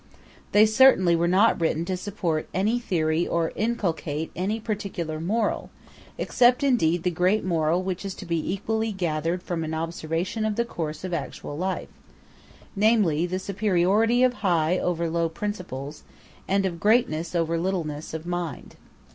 They certainly were not written to support any theory or inculcate any particular moral, except indeed the great moral which is to be equally gathered from an observation of the course of actual life namely, the superiority of high over low principles, and of greatness over littleness of mind.